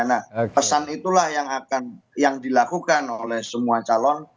nah pesan itulah yang dilakukan oleh semua calon